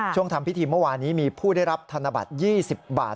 ทำพิธีเมื่อวานนี้มีผู้ได้รับธนบัตร๒๐บาท